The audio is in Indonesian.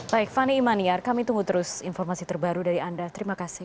baik fani imaniar kami tunggu terus informasi terbaru dari anda terima kasih